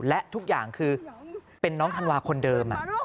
และทุกอย่างคือเป็นน้องธันวาคนเดิม